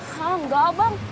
ah enggak bang